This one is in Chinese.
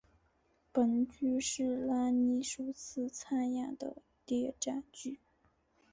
本剧是闫妮首次参演的谍战剧。